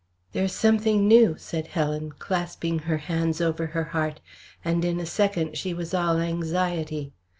"There is something new!" said Helen, clasping her hands over her heart, and in a second she was all anxiety.